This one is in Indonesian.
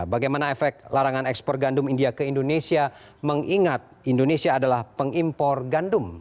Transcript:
bagaimana efek larangan ekspor gandum india ke indonesia mengingat indonesia adalah pengimpor gandum